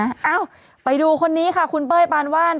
เอ้าไปดูคนนี้ค่ะคุณเป้ยปานว่าน